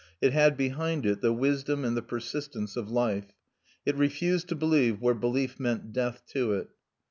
It had behind it the wisdom and the persistence of life. It refused to believe where belief meant death to it.